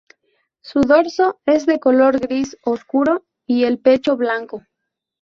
Su dorso es de color gris oscuro y el pecho blanco.